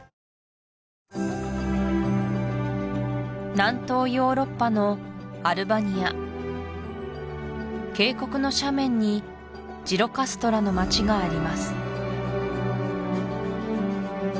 南東ヨーロッパのアルバニア渓谷の斜面にジロカストラの町があります